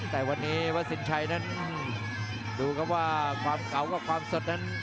แต่วันนี้วัดสินชัยนั้นดูครับว่าความเก่ากับความสดนั้น